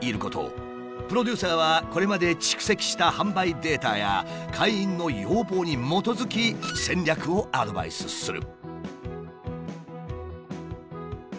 プロデューサーはこれまで蓄積した販売データや会員の要望に基づき戦略をアドバイスする。